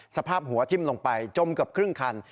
สภาพหัวทิ้มลงไปจมเกือบครึ่งคัน